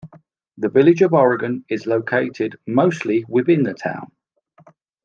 The village of Oregon is located mostly within the town.